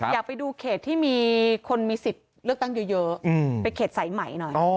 อยากไปดูเขตที่มีคนมีสิทธิ์เลือกตั้งเยอะไปเขตสายไหมหน่อย